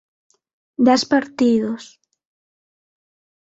Dez partidos.